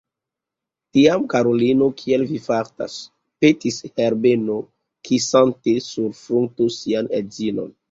Tiam, karulino, kiel vi fartas? petis Herbeno, kisante sur frunto sian edzinon.